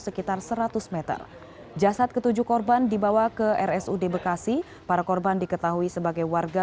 sekitar seratus m jasad ketujuh korban dibawa ke rsud bekasi para korban diketahui sebagai warga